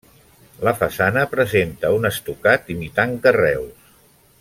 La façana presenta un estucat imitant carreus.